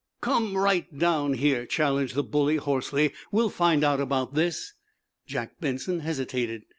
"Come right down here!" challenged the bully, hoarsely. "We'll find out about this." Jack Benson hesitated.